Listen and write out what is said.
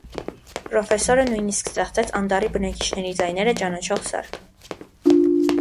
Պրոֆեսորը նույնիսկ ստեղծեց անտառի բնակիչների ձայները ճանաչող սարք։